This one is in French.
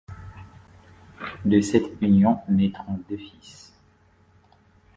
De cette union naitront deux fils.